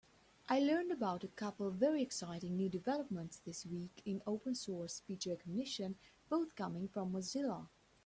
I learned about a couple very exciting new developments this week in open source speech recognition, both coming from Mozilla.